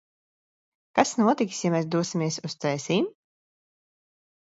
Kas notiks, ja mēs dosimies Cēsīm?